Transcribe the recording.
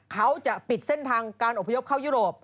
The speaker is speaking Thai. เขาจะปิดเส้นทางการโนวชน์โครงการ